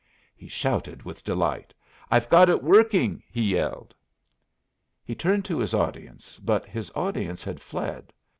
He shouted with delight. "I've got it working," he yelled. He turned to his audience, but his audience had fled.